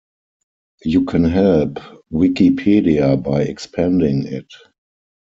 You can help Wikipedia by expanding it.